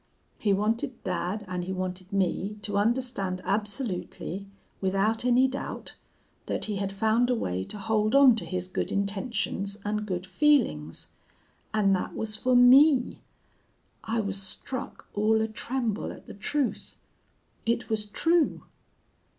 He wanted dad and he wanted me to understand absolutely, without any doubt, that he had found a way to hold on to his good intentions and good feelings. And that was for me!... I was struck all a tremble at the truth. It was true!